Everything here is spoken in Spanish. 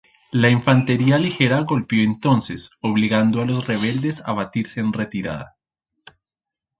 La infantería ligera golpeó entonces, obligando a los rebeldes a batirse en retirada.